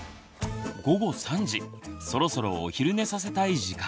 午後３時そろそろお昼寝させたい時間。